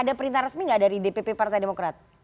ada perintah resmi nggak dari dpp partai demokrat